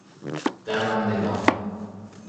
درندگان